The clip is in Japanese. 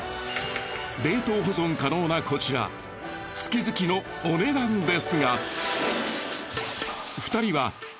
冷凍保存可能なこちら月々のお値段ですが。